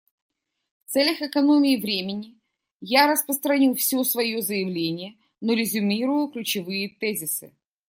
В целях экономии времени я распространю все свое заявление, но резюмирую ключевые тезисы.